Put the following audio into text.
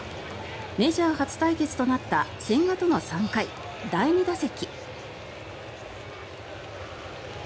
メジャー初対決となった千賀との３回、第２打席。